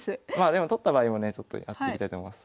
でも取った場合もねやっていきたいと思います。